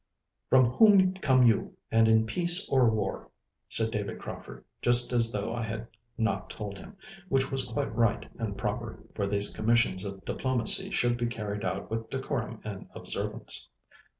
'From whom come you, and in peace or war?' said David Crauford, just as though I had not told him—which was quite right and proper, for these commissions of diplomacy should be carried out with decorum and observance.